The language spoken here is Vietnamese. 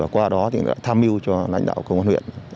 qua đó tham mưu cho lãnh đạo công an huyện